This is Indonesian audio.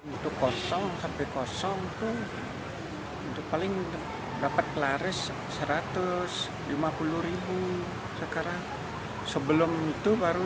itu kosong sampai kosong tuh paling dapat laris seratus lima puluh sekarang sebelum itu baru